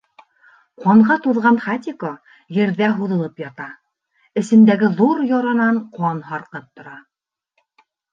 Ҡанға туҙған Хатико ерҙә һуҙылып ята, эсендәге ҙур яранан ҡан һарҡып тора.